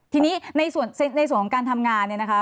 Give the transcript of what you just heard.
ทีนี้ในส่วนของการทำงานเนี่ยนะคะ